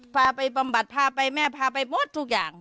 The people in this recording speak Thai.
พาไปบำบัดพาไปแม่พาไปหมดทุกอย่าง